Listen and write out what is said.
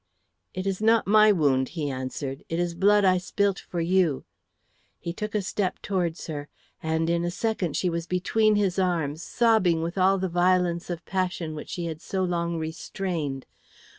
"It is not my wound," he answered. "It is blood I spilt for you;" he took a step towards her, and in a second she was between his arms, sobbing with all the violence of passion which she had so long restrained.